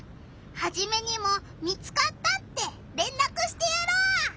ハジメにも見つかったってれんらくしてやろう！